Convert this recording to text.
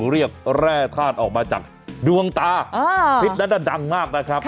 เรียกแร่ธาตุออกมาจากดวงตาคลิปนั้นดังมากนะครับ